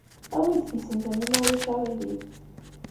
Awi-d tisent-nni, ma ulac aɣilif.